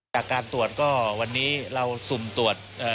จากการตรวจก็วันนี้เราสุ่มตรวจ